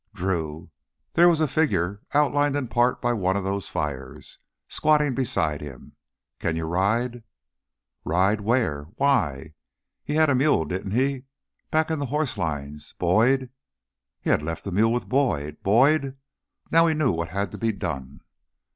"Drew !" There was a figure, outlined in part by one of those fires, squatting beside him. "Can you ride?" Ride? Where? Why? He had a mule, didn't he? Back in the horse lines. Boyd he had left the mule with Boyd. Boyd! Now he knew what had to be done!